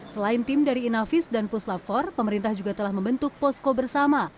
selain tim dari inavis dan puslap empat pemerintah juga telah membentuk posko bersama